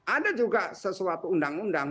ada juga sesuatu undang undang